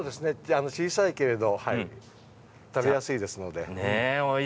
小さいけれどずっしり食べやすいですので。